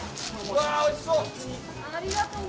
うわおいしそう！